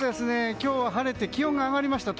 今日は晴れて気温が上がりました。